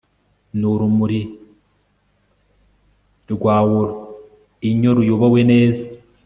Nurumuri rwa woroinyo ruyobowe neza